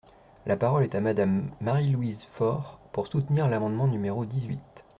La parole est à Madame Marie-Louise Fort, pour soutenir l’amendement numéro dix-huit.